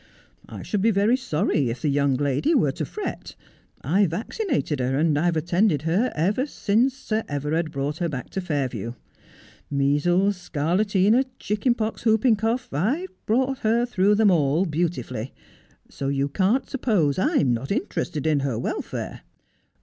'I should be very sorry if tlie young lady were to fret. I vaccinated her, and I've attended her ever since Sir Everard brought her back to Eairview — measles, scarlatina, chicken pox, whooping cough — I've brought her through them all beautifully, — so you can't suppose I'm not interested in her welfare.